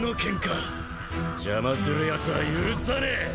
邪魔するやつは許さねえ！